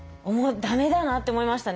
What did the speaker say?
駄目だなって思いましたね。